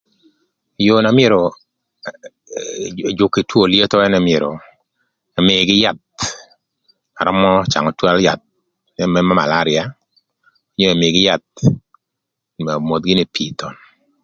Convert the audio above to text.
Yoo na myero ëjük kï two lyetho ënë myero ëmïïgï yath arömö cangö twërö yath jami më malaria cë ëmïïgï yath onyo omodh gïnï pii thon.